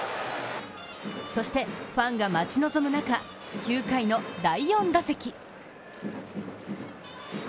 そしてファンが待ち望む中９回の第４打席。